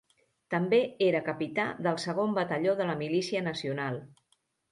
També era capità del Segon Batalló de la Milícia Nacional.